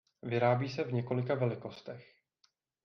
Vyrábí se v několika velikostech.